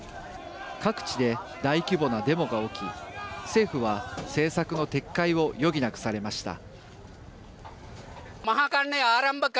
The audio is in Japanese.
各地で大規模なデモが起き政府は、政策の撤回を余儀なくされました。